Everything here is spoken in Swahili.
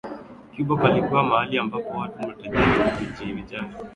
Cuba palikuwa mahali ambapo watu matajiri hujivinjari